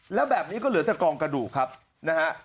แล้วแบบนี้ก็เหลือแต่กองกระดูกครับนะฮะ